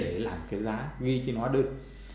để làm cái giá ghi trên hóa đơn